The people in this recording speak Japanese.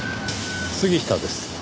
杉下です。